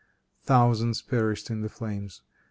Thousands perished in the flames.